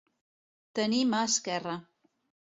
Tenir mà esquerra.